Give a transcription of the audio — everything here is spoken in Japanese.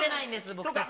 僕たち。